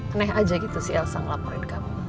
aneh aja gitu sih elsa melaporin kamu